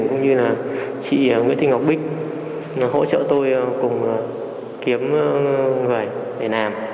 chị nguyễn thị ngọc bích hỗ trợ tôi cùng kiếm người để làm